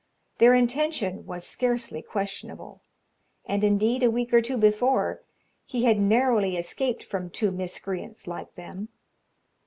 Their intention was scarcely questionable, and, indeed, a week or two before, he had narrowly escaped from two miscreants like them.